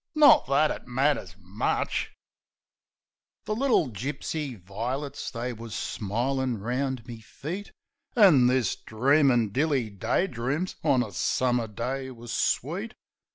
"Not that it matters much") 6 Washing Day The little gipsy vi'lits, they wus smilin' round me feet. An' this dreamin' dilly day dreams on a Summer day wus sweet.